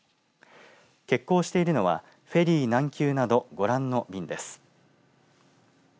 欠航しているのはフェリーなんきゅうなどご覧の便です。